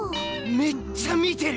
めっちゃ見てる！